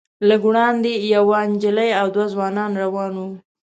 لږ وړاندې یوه نجلۍ او دوه ځوانان روان وو.